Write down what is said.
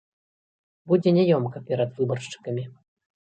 Будзе няёмка перад выбаршчыкамі.